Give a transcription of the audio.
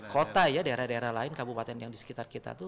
kota ya daerah daerah lain kabupaten yang di sekitar kita itu